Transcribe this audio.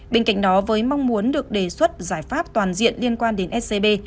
bên cạnh đó với mong muốn được đề xuất giải pháp toàn diện liên quan đến scb